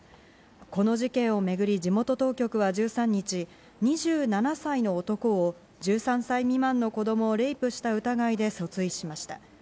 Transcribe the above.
この事件をめぐり地元当局は１３日、２７歳の男を１３歳未満の子供レイプした疑いで訴追しました。